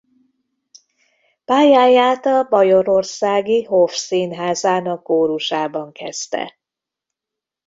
Pályáját a bajorországi Hof színházának kórusában kezdte.